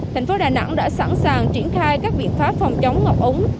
thành phố đà nẵng đã sẵn sàng triển khai các biện pháp phòng chống ngập ống